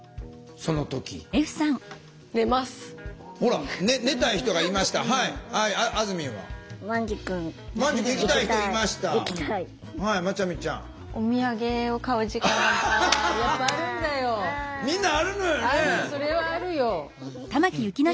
それはあるよ。